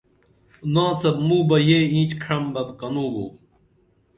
ناڅپ موں بہ یہ اینچ کھعم بہ کنوں بو